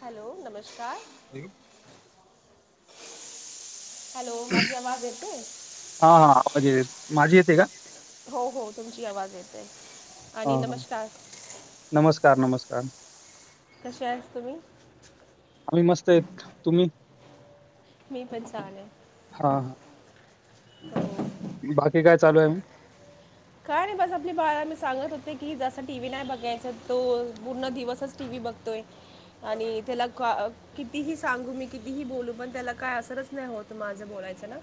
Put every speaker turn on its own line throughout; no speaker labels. Hello, नमस्कार.
Hello.
Hello, माझी आवाज येते?
हा हा आवाज येत माझी येते का?
हो हो, तुमची आवाज येते.
हा
आणि
हा,
नमस्कार
नमस्कार नमस्कार.
कशे आहेत तुम्ही?
आम्ही मस्त आहेत. तुम्ही?
मी पण छान आहे.
हा हा.
हो,
बाकी काय चालू आहे?
काय नाही बस. आपली बाळाला मी सांगत होते की, जास्त टी व्ही नाही बघायच. तो पूर्ण दिवसच टीव्ही बघ ते आणि त्याला कितीही सांगू मी, कितीही बोलू, पण त्याला काय असरच नाही होत माझं बोलायचं ना.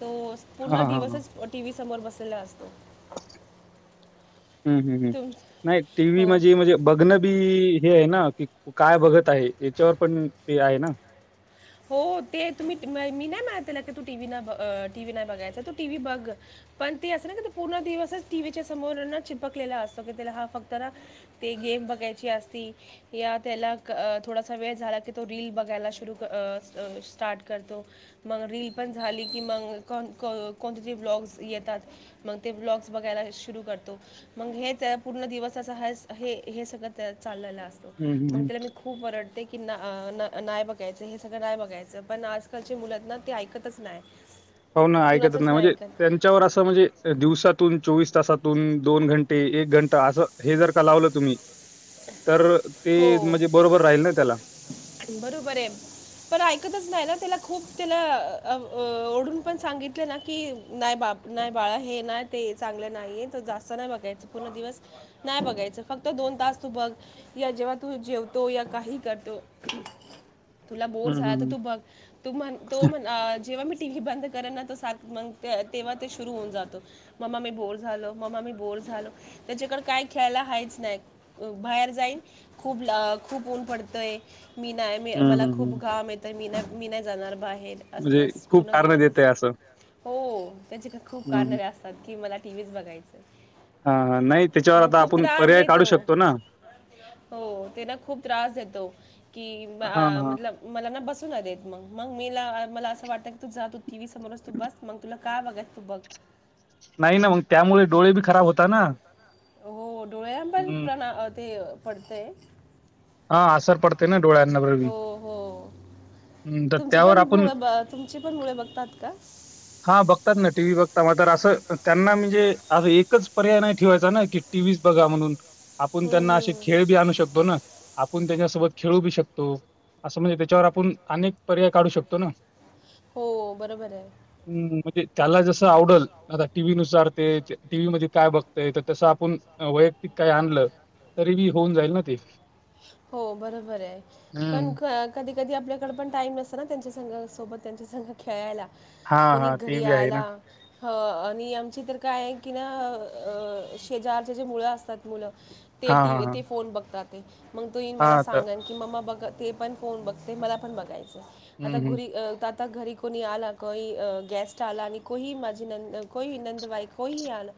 तो
हा
पूर्ण
हा हा
दिवसच टी व्ही समोर बसलेला असतो.
हम्म हम्म हम्म,
तुम
नाही टी व्ही
हो
मधी म्हणजे बघणं बी हे आहे ना की, काय बघत आहे. याच्यावर पण ते आहे ना.
हों ते तुम्ही [inaudible] मी नाय म्हणत की तू टी व्ही ना टी व्ही नाय बघायच तू टी व्ही बघ पण ती असं ना क पूर्ण दिवसच टी व्हीच्या समोरां चिपकलेला असतो की त्याला हा फक्त ना ते गेम बघायची असती या त्याला कथोडासा वेळ झाला की तो रील बघायला शुरू क अं स अं स्टार्ट करतो मग रीली पण झाली की मग कोण क कोणते तरी ब्लॉग्स येतात मग ते ब्लॉग्स बघायला शुरु करतो मग हेच पूर्ण दिवस अस हाय असं हें हें सगळं चाललं असत
हं हं
मग
हं.
त्याला मी खूप वरडते की ना अं न अं नाय बघ यच हे सगळं नाही बघायचं पण आजकालचे मुलहेंत ना ते ऐकतच नाय.
हो ना ऐकतच नाही म्हणजे त्यांच्यावर असं म्हणजे दिवसातून, चोवीस तासातून, दोन घंट ते एक घंटा असं हे जर का लावलं तुम्ही तर ते म्हजे बरोबर राहील ना त्याला.
बरोबरयं पण ऐकतच नाही ना त्याला खूप त्याला अं अं ओरडून पण सांगितलं ना की नाय बाळ नाय बाळा हे नाय ते चांगलं नाही तू जास्त नाय बघायचं पूर्ण दिवस नाय बघायचं फक्त दोन तास तू बघ या जेव्हा तू जेवतो या काही करतो तुला बोर
हं
झाला
हं
तर
हं.
तू बघ तू म्हण तू म्हणा अं जेव्हा मी टीव्ही बंद कारण ना तो सात नंतर [inaudible] तेव्हा ते सुरू होऊन जातो. मम्मा मी बोर झालो, मम्मा मी बोर झालो त्याच्याकडे काय खेळायला हायच नाय. व बाहेर जाईल खूप लं खूप ऊन पडतय, मी नाय मी
हं
मला
हं हं.
खूप घाम ये तर मी नाय मी नाय जाणार बाहेर
म्हजे खूप कारण देतयं असं.
हों त्याचे तर खूप
हं.
कारणामे असतात की मला टीव्हीच बघायचं.
हां हां नाही त्याच्यावर
मग
आता आपण पर्याय काढू शकतो ना.
हों तेना खूप त्रास देतो की म
हां,
अं
हां.
मतलब मला ना बसू नाय देत मग मग मीला मला असं वाटतं की तू जा तू टी व्ही समोरच तू बस मग तुला काय बघाय तू बघ
नाही नां मग त्यामुळे डोळे बी खराब होता नां
हों डोळ्याबलं प्राणा ते पडतंय
हां आसर पडते ना डोळ्यांनांवर बी
हो हो तुमचे
त्यावर
पण
आपण
मुलं ब तुमची पण मुळे बघतात का?
हां बघतात नां टी व्ही बघता म तर असं त्यांना म्हणजे आं एकच पर्याय नाही ठेवायचा ना की टी व्ही च बघा म्हणून आपण
हम्म,
त्यांना अशे
हम्म.
खेळ बी आणू शकतो नां. आपुण त्याच्यासोबत खेळू बी शकतो असं म्हणजे त्याच्यावर आपुण अनेक पर्याय काढू शकतो ना.
हों बरोबर आहे.
हुं म्हणजे त्याला जसं आवडल आता टी व्ही नुसार ते टी व्ही मध्ये काय बघतय तर तसं आपुण वैयक्तिक काय आणलं तरी बी होऊन जाईल ना ते.
हों बरोबरयं पण
हं.
खा कधी कधी आपल्याकड पण टाईम नसतं नां त्यांच्या संघ सोबत त्यांच्या संघ खेळायला
हां,
कोणी
हां. ते
घरी
बी आहे ना.
आला हं आणि आमची तर काय आहे की ना अं शेजारचे जे मुळं असतात मुळं ते
हां,
टी
हां,
ते
हां.
फोन बघतात ते. मग तुही मला
हां, तर
सांग की ममा बघ ते पण फोन बघते, मला पण बघायच. आता
हं, हं.
घुरी आता घरी कोणी आला, कोही गॅस्ट आला. नि कोही माझी नंद कोही नंदवाय कोही आल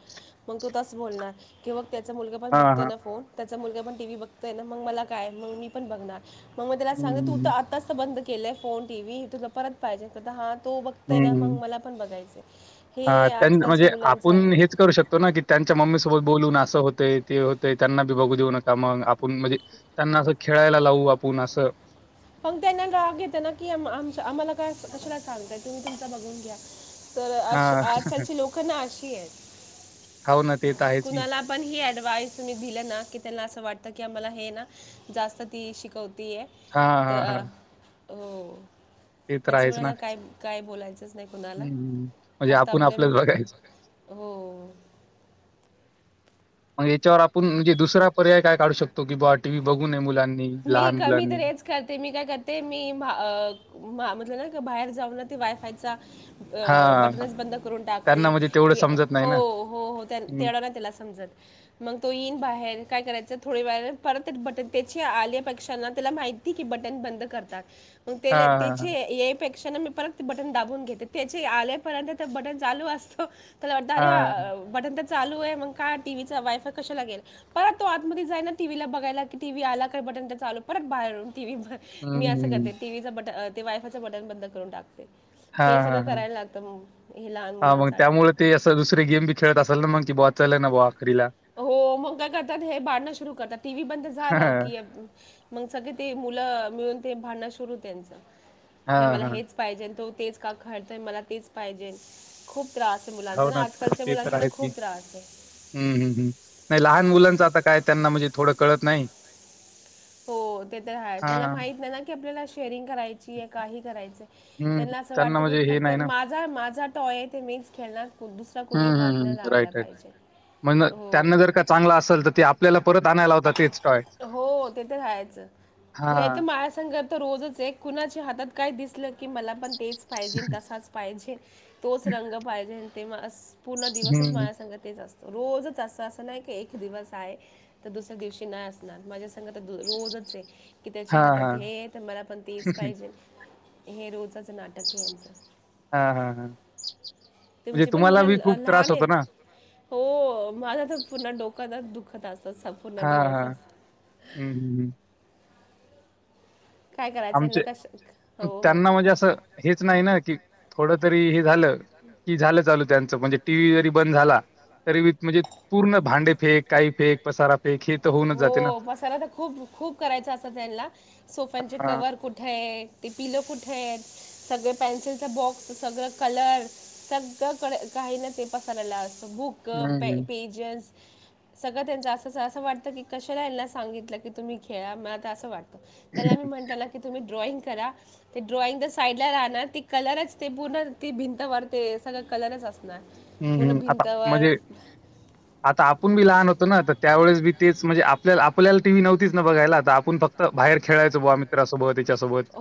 मग तू तस बोलणार. कि मग त्याचा मुलगा पण
हां,
बघतोय
हां.
ना फोन. त्याचा मुलगा पण टी व्ही बघतोय ना. मग मला काय, म मी पण बघणार. मग मी त्याला
हं,
सांगते तू
हं,
तर
हं.
आताच बंद केलय फोन टी व्ही. तुला परत पाहिजे तर हा तो बघ ते ना
हं,
मग
हं.
मला पण बघायच. हे आजकालची मुलांच आहे.
तो ना की त्यांच्या मम्मीसोबत बोलून अस होतय ते होतय. त्यांना बी बघू देऊ नका मग. आपण म्हणजे त्यांना अस खेळायला लावू. आपुण अस
मग त्यांना राग येतो ना की आम आम्हाला काय कशाला सांगतय. तुम्ही तुमचा बघून घ्या. तर अ
हां,
आजकालची लोक ना अशी आहेत.
हो ना, ते तर आहेच की.
कुणाला पण, ही ॲडवा्हाइस तुम्ही दिल ना की त्यांना अस वाटत की, आम्हाला हे ना जास्त ती शिकवतीय.
हां, हां,
तर
हां.
हो
ते तर आहेच
त्याचमुळे ना काय काय बोलायचच नाही
हं,
कुणाला.
हं. म्हणजे
फक्त
आपण
आपले
आपलंच बघायचं.
हो
मग याच्यावर आपण म्हणजे दुसरा पर्याय काढू शकतो की बा टी व्ही बघूये मुलांनी.
मी
लहान
का मी
मुलांनी.
तर हेच मी काय करते मी काय करते, मी म्हटल ना बाहेर जाऊन ना ते वायफायचा
हां,
बटनच बंद करून टाकते.
त्यांना म्हणजे तेवढं समजत नाही
हो
ना.
हो हो
हं.
तेवढ नाही त्याला समजत. मग तो येईन बाहेर. काय करायच थोडे वेळने परत बटन तेच आल्या पेक्षा ना त्याला माहितीये की बटन बंद करतात. मग तेला
हां, हां,
तेची
हां.
यापेक्षा ना मी परत बटन दाबून घेते. त्याचे आल्यापर्यंत तर बटन चालू असतो. त्याला वाट
हां.
अरे बटन तर चालू आहे. मग का टी व्हीचा वायफाय कशाला गेला. हा तो आतमध्ये जाय ना टीव्हीला बघायला की टीव्ही आला बटन तर चालू, परत बाहेरून टीव्ही ब
हं,
मी अस करते
हं.
टीव्हीच बटन ते वायफायच बटन बंद करून टाकते. हे
हां,
सगळ
हां, हां.
करायला लागत हे लहान
हां, मग
मुलांसाठी.
त्यामुळे ते असं दुसरे गेम बी खेळत असेल ना मग की बवा चल ना बवा खरीला
हो मग काय करतात हे भांडण सुरू करतात. टी व्ही बंद झाल
हां,
की मग सगळे ते मुल मिळून ते भांडण सुरू त्यांच. हे मला
हां.
हेच पाहिजे तो तेच का खळतोय. मला तेच पाहिजे खूप त्रास
हो
मुलांचा ना, आजकालच्या मुलांचा ना खूप त्रास आहे.
हम्म हम्म हम्म नाही लहान मुलांच आता काय त्यांना म्हणजे थोड कळत नाही.
हो ते तर आहेच. त्याला
हां.
माहित नाही ना की आपल्याला शेअरिंग करायची आहे. काही करायचय.
हं.
त्यांना अस वाटत की,
म्हणजे हे
फक्त
नाही ना.
माझा माझा टॉय ते मीच खेळणार. को- दुसरा कोणी
हम्म
हात
हम्म
नाही
हम्म
लावायला
राईट राईट.
पाहिजे
म्हण
हो
त्यांना जर का चांगल असेल तर, ते आपल्याला परत आणायला लावता तेच टॉय.
हो ते ते खायच हे
हां.
तर माझ्या संग तर रोजच. एक कुणाच्या हातात काय दिसल की मला पण तेच पाहिजे. त पाहिजे, तोच रंग पाहिजे. तेव्हा पूर्ण
हं,
दिवसच
हं.
माझ्या संग तेच असतं. रोजच अस अस नाही की एक दिवस आहे तर दुसऱ्या दिवशी नाही असणार. माझे रोजच आहे. की त्याच्या
हां,
हातात
हां.
हे तर मला पण तेच पाहिजे. हे रोजच नाटक आहे यांच.
हां, हां, हां. म्हणजे
तुमची पण
तुम्हाला
मुलं
बी खूप त्रास
लहान
होतो ना?
आहेत हो माझा तर पुन्हा डोक्यात दुःखत अस स
हा
पूर्ण
हा
दिवसच
हू हू
काय करायचं यांना
आमचे
कश हो हो
त्यांना म्हणजे असं हेच नाही ना की थोडं तरी हे झालं की झालं चालू त्यांचं म्हणजे टी व्ही जरी बंद झाला तरी बी म्हणजे पूर्ण भांडे फेक काही फेक पसारा फेक हे तर होऊनच जाते ना.
हो पसारा तर खूप खूप करायचं असत त्यांना सोफ्यांचे
हां.
कवर कुठ आहे ते पिलो कुठे आहेत सगळ पेन्सिलच बॉक्स सगळं कलर सगळकडे काही ना काही पसरलेल असत बुक
हं, हं.
पेजेस सगळ त्यांच असच आहे अस वाट की कशाला ह्याना सांगितलं की तुम्ही खेळा मला तर असं वाटत त्याला मी म्हटलं ना की तुम्ही ड्रॉइंग करा ते ड्रॉइंग तर साईडला राहणार ती कलरच ते पूर्ण ती भिंत वरते सगळं कलरच असणार
हं,
पूर्ण
हं. आता
भिंतवर
म्हणजे [inaudible] आता आपुण बी लहान होतो ना तर त्यावेेळेस बी तेच म्हणजे आपल्याला आपल्याला टीव्ही नव्हतीच ना बघायला आता आपूण फक्त बाहेर खेळायचं बुवा मित्रा सोबत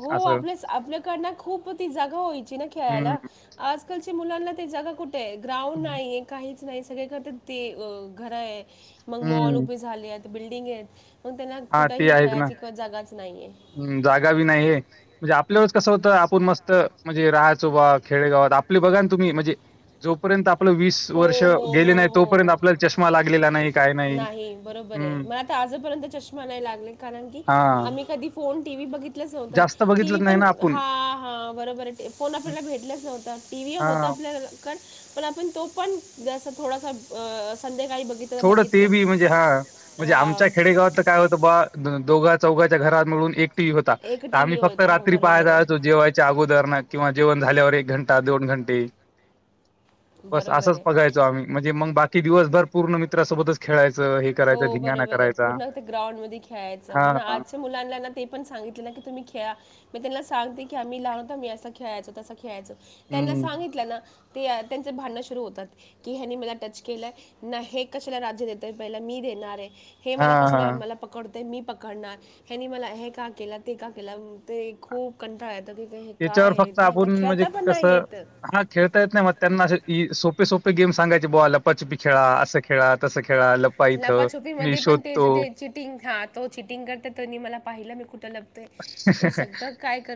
हो आपल्या आपल्याकड ना खूप ती जागा व्हायची ना
हं,
खेळायला आजकालच्या मुलांना ते जागा कुठे आहे ग्राउंड नाही काहीच नाही सगळे कड तर ते घर आहे मग मॉल
हं.
उभे झाले आहेत बिल्डिंग आहेत मग त्यांना कुठंही खेळायची जागाच नाही आहे
हू जागा बी नाही म्हणजे आपल्यावेळेस कसं होत आपूण मस्त म्हणजे राहायचो बुवा खेडेगावात आपले बघा ना तुम्ही म्हणजे जोपर्यंत आपलं वीस
हो
वर्ष
हो
गेले
हो
नाही
हो
तोपर्यंत
हो
आपल्याला चष्मा लागलेला नाही काय नाही
बरोबर आहे
हं,
मला तर आजपर्यंत चष्मा नाही लागले कारण की
हां.
आम्ही कधी फोन टीव्ही बघि तलच नव्हतं
जास्त
टी व्ही
बघितलंच नाही
पण
ना आपण.
हा हा बरोबर आहे फोन
हं,
आपल्याला भेटलच नव्हत टीव्ही होता
हां.
आपल्याला पण आपण तो पण जस थोडासा संध्याकाळी बघित
थोडं ते बी म्हणजे हा म्हणजे आमच्या खेडेगावात काय होतं बा दोघा चौघाच्या घरात मिळून एक टीव्ही होता
एक
तर
टी व्ही
आम्ही फक्त
होता हो,
रात्री पाहाय
बरोबर आहे
जायचो जेवायचं च्या अगोदरन किंवा जेवन झाल्यावर एक घंटा दोन घंटे बस
बरोबर
असंच
आहे
बघायचं आम्ही म्हणजे मग बाकी दिवसभर पूर्ण मित्रासोबतच खेळायचं हे
हो
करायचं धिंगाणा
बरोबर आहे
करायचा.
पूर्ण ते ग्राउंड मध्ये खेळायचं पण
हां, हां.
आजच्या मुलांना ना ते पण सांगितल ना की तुम्ही खेळा मी त्यांना सांगते की आम्ही लहान होता मी असं खेळायचो तसं खेळायचो त्यांना
हं.
सांगितलं ना ते त्यांचं भांडणं सुरू होतात की ह्यांनी मला टच केलं ना हे कशाला राज्य देतायत पहिला मी देणार आहे हे मला
हां,
कशाला
हां.
मला पकड ते मी पकडणार हेनी मला हे का केलं ते का केलं ते खूप कंटाळ हे
त्याच्यावर
काय आहे नाही यांना खेळता पण नाही येत
हा खेळता येत नाही मग त्यांना सोपे सोपे गेम सांगायचे बुवा लपाछपी खेळा असं खेळा तसं खेळा लपायचं मी
लपाछुपीमध्ये पण ते
शोधतो
जे- ते चिटिंग हा तो चिटिंग करत तो नी मला पाहिलं मी कुठं लपू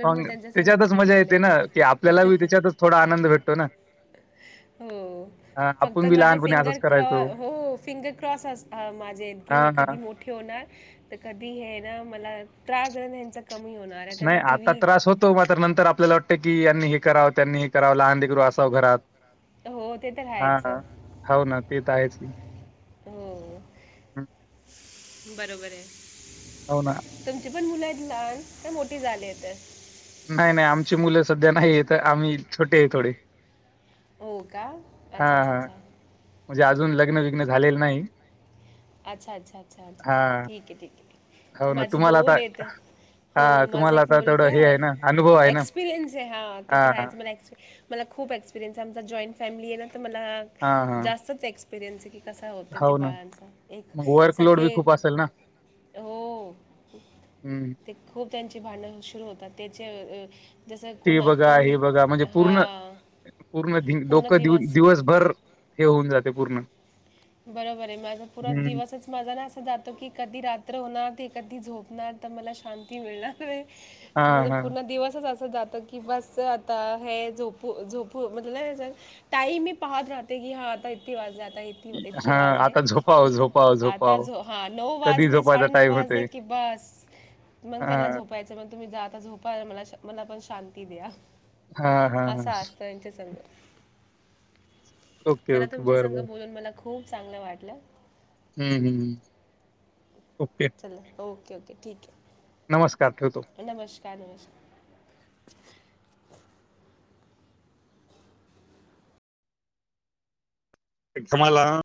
मग
त्यांच्या संग
त्याच्यातच मजा
बघितलेलं
येते ना
आहे
की आपल्याला बी त्याच्यातच थोडा आनंद भेटतो तो ना
हो
हां,
फक्त
आपण बी
माझे
लहानपणी असंच
फिंगर क्रॉ
करायचो.
हो फिंगर क्रॉस असता माझे हे
हां, हां.
कधी मोठ ठेवणार तर कधी हे ना मला त्रास ज त्यांचा कमी होणार, आहे त्यांचा टी व्ही
तो मात्र नंतर आपल्याला वाटतं की यांनी हे करावं, त्यांनी हे करावं, लहान लेकरू असावं घरात.
हो ते तर
हा.
राहायचं
ना, हाऊ ना ते तर आहेच की,
हो...
हं.
बरोबर आहे.
हो ना.
तुमची पण मुलं आहेत लहान का मोठी झाली आहेत?
नाही- नाही आमची मुलं सध्या नाही आहेत, आम्ही छोटे आहे थोडे.
हो का अच्छा-
हां,
अच्छा
हां.
-अच्छा,
म्हणजे अजून लग्न विघ्न झालेलं नाही.
अच्छा-अच्छा -अच्छा- अच्छ
हां,
ठीक आहे, ठीक
हो
आहे,
ना
माझे
तुम्हाला आता
दोन आहेत. हो
हां,
माझा
तुम्हाला
एक
आता तेवढं
मुलगा
हे
आहे,
ना अनुभव आहे ना.
एक्सपिरियन्स आहे हा ते तर
हां,
आहेच. मला एक्स मला खूप एक्सपिरीयन्स आहे, आमचा जॉईट फॅमिली आहे ना तर मला
हां, हां.
जास्तच एक्सप एक्सपिरियन्स की कसा होते ते
हो ना.
बाळांचा,
मग वर्कलोड
सगळे
बी खूप
एक
असेल ना.
हो....
हं.
ते खूप त्यांचे भांडणं सुरू होतात त्याचे अ अं,,
ते बघा, हे बघा म्हणजे पूर्ण,
हां
पूर्ण
पूर्ण
डोकं दि
दिवस
दिवसभर हे होऊन जाते पूर्ण.
बरोबर आहे, माझा पुरा
हं.
दिवसच माझं ना असं जातो की, कधी रात्र होणार, ते कधी झोपणार तर मला शांती मिळणार. [unintelligible] म्हणज
हां, हां.
पूर्ण दिवसच असं जातो की, की बस आता हे झोपू- झोपू म्हटलं ज टाईम मी पाहत राहते की, हा आता इती वाजले आता इती
ई
इतके
हां,
वाजले
आता झोपावं,
ते
झोपावं,
आता
झोपावं.
जो हा नऊ
कधी
वाजले,
झोपायचा
साडे नऊ
टाईम
वाजले,
होतोय.
की बस मग त्याला
हां,
झोप पायचं मग तुम्ही जा आता झोपा मला मला पण शांती द्या.
हां, हां, हां.
असा आसतं, यांच्या संग.
ओके,
चला
ओके.
तुमच्या
बरं,
संग
बरं.
बोलून मला खूप चांगलं वाटलं.
हूं.. हूं.. ओके.
चला ओके-ओके, ठीक आहे.
नमस्कार ठेवतो.
नमस्कार, नमस्कार.
तुम्हांला